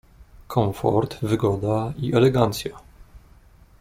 "Komfort, wygoda i elegancja..."